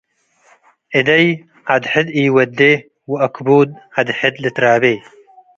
እደይ ዐድ ሕድ ኢወዴ - ወአክቡድ ዐድ ሕድ ልትራቤ